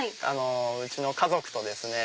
うちの家族とですね